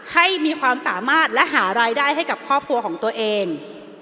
ให้มีความสามารถและหารายได้ให้กับครอบครัวของตัวเอง